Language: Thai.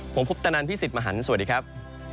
ผมพุทธนันทร์พี่สิทธิ์มหันสวัสดีครับ